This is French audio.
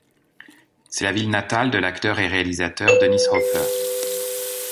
C'est la ville natale de l'acteur et réalisateur Dennis Hopper.